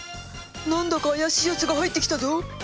何だか怪しいヤツが入ってきたぞ！